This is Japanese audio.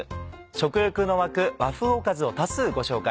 食欲の湧く和風おかずを多数ご紹介。